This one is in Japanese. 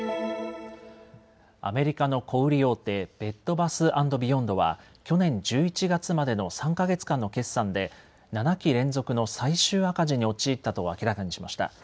アメリカの小売り大手ベッド・バス・アンド・ビヨンドは去年１１月までの３か月間の決算で７期連続の最終赤字に陥ったと明らかにしました。